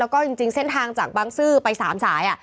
แล้วก็จริงเส้นทางจากบางซื่อไป๓สาย